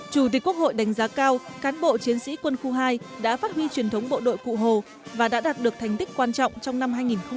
chủ tịch quốc hội đánh giá cao cán bộ chiến sĩ quân khu hai đã phát huy truyền thống bộ đội cụ hồ và đã đạt được thành tích quan trọng trong năm hai nghìn một mươi tám